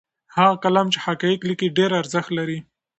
هغه قلم چې حقایق لیکي ډېر ارزښت لري.